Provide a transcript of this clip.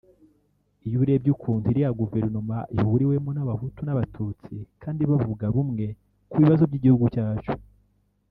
Iyo urebye ukuntu iriya Guverinoma ihuriwemo n’abahutu n’abatutsi kandi bavuga rumwe ku bibazo by’igihugu cyacu